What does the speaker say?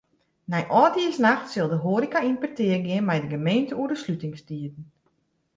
Nei âldjiersnacht sil de hoareka yn petear gean mei de gemeente oer de slutingstiden.